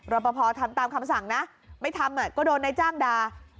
รับประพรทำตามคำสั่งนะไม่ทำก็โดนในจ้างด่า